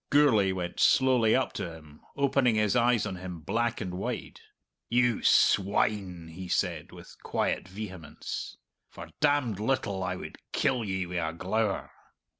Gourlay went slowly up to him, opening his eyes on him black and wide. "You swine!" he said, with quiet vehemence; "for damned little I would kill ye wi' a glower!"